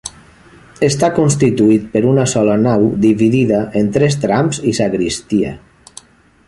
Està constituït per una sola nau dividida en tres trams i sagristia.